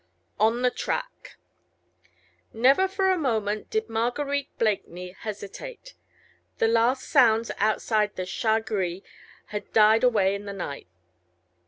ON THE TRACK Never for a moment did Marguerite Blakeney hesitate. The last sounds outside the "Chat Gris" had died away in the night.